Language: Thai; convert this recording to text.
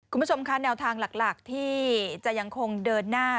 คุณผู้ชมค่ะแนวทางหลักที่จะยังคงเดินหน้า